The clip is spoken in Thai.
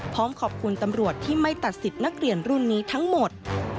พร้อมขอบคุณตำรวจที่ไม่ตัดสิทธิ์นักเรียนรุ่นนี้ทั้งหมด